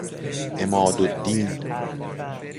عماد الدین